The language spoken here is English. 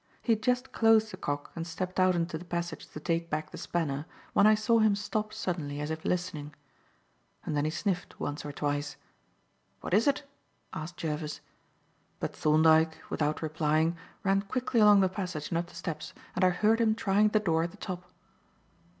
He had just closed the cock and stepped out into the passage to take back the spanner, when I saw him stop suddenly as if listening. And then he sniffed once or twice. "What is it?" asked Jervis; but Thorndyke, without replying, ran quickly along the passage and up the steps, and I heard him trying the door at the top.